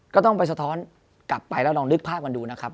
ก็ต้องไปสะท้อนกลับไปแล้วลองนึกภาพกันดูนะครับ